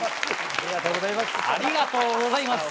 ありがとうございます。